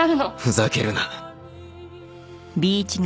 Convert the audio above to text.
ふざけるな